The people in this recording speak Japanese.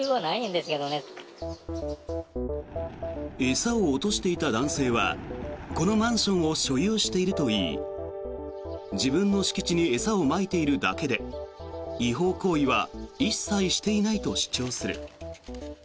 餌を落としていた男性はこのマンションを所有しているといい自分の敷地に餌をまいているだけで違法行為は一切していないと主張する。